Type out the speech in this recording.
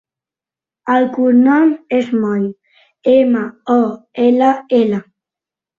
El cognom és Moll: ema, o, ela, ela.